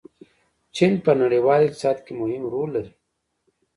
چین په نړیواله اقتصاد کې مهم رول لري.